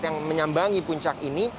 yang menyambangi puncak ini